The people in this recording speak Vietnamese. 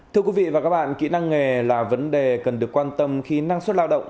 thưa quý vị và các bạn kỹ năng nghề là vấn đề cần được quan tâm khi năng suất lao động